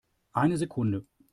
Eine Sekunde!